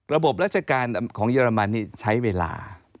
ระบบราชการของเยอรมันนี่ใช้เวลา